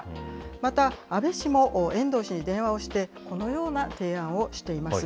また、安倍氏も、遠藤氏に電話をして、このような提案をしています。